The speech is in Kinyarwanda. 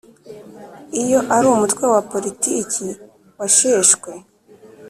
Iyo ari umutwe wa politiki washeshwe